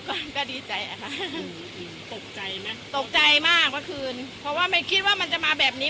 ก็ก็ดีใจอะค่ะตกใจไหมตกใจมากเมื่อคืนเพราะว่าไม่คิดว่ามันจะมาแบบนี้